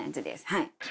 はい。